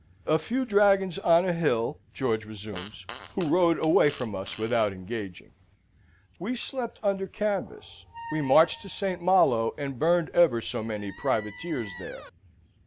"... A few dragons on a hill," George resumes, "who rode away from us without engaging. We slept under canvass. We marched to St. Malo, and burned ever so many privateers there.